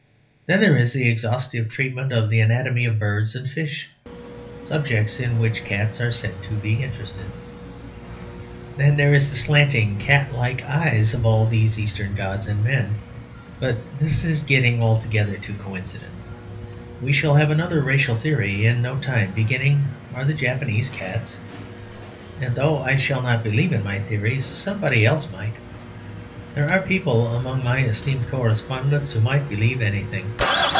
Then there is the exhaustive treatment of the anatomy of birds and fish; subjects in which cats are said to be interested. Then there is the slanting cat like eye of all these Eastern gods and men but this is getting altogether too coincident. We shall have another racial theory in no time (beginning "Are the Japs Cats?"), and though I shall not believe in my theory, somebody else might. There are people among my esteemed correspondents who might believe anything.